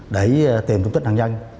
để tìm tung tích nạn nhân